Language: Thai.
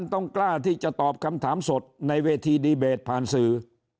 ต้องกล้าที่จะตอบคำถามสดในเวทีดีเบตผ่านสื่อ